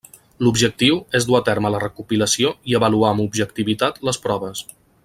L'objectiu és dur a terme la recopilació i avaluar amb objectivitat les proves.